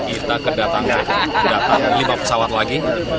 ini kita kedatangan lima pesawat lagi